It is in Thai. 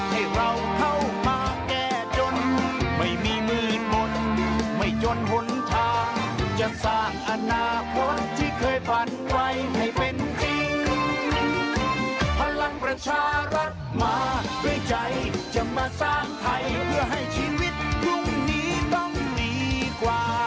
ทำเพื่อชาติไทยใจบันดารแรง